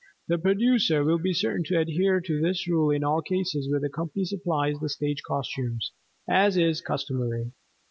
The producer will be certain to adhere to this rule in all cases where the company supplies the stage costumes, as is customary.